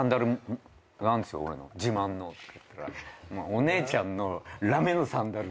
お姉ちゃんのラメのサンダルで。